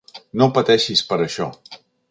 No pateixis per això.